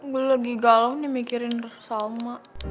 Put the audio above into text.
gue lagi galau nih mikirin sama